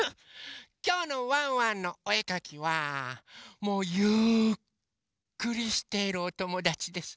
きょうの「ワンワンのおえかき」はもうゆっくりしているおともだちです。